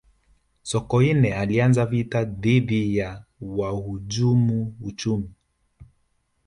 sokoine alianza vita dhidi ya wahujumu uchumi